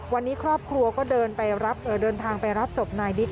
วันนี้ครอบครัวก็เดินทางไปรับศพนายบิ๊ก